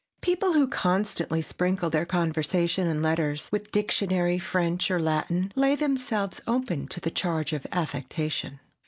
People who constantly sprinkle their conversation and letters with "dictionary" French or Latin lay themselves open to the charge of affectation.